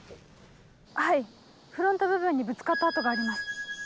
はいフロント部分にぶつかった跡があります。